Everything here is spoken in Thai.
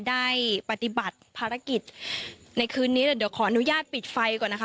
ได้ปฏิบัติภารกิจในคืนนี้เดี๋ยวเดี๋ยวขออนุญาตปิดไฟก่อนนะคะ